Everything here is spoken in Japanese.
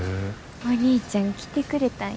お兄ちゃん来てくれたんやな。